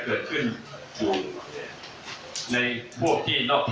พี่ถึงยั้มไง